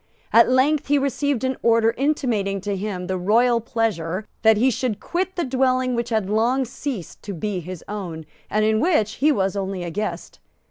At length he received an order intimating to him the royal pleasure that he should quit the dwelling which had long ceased to be his own, and in which he was only a guest.